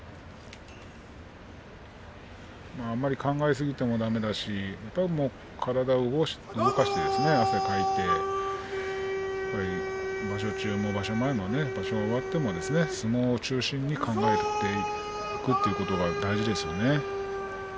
あまり考えすぎてもだめだし体を動かして汗を流して場所中も、場所前も場所が終わっても相撲を中心に考えていくということが大事ですね。